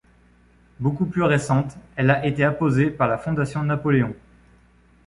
Beaucoup plus récente, elle a été apposée par la Fondation Napoléon.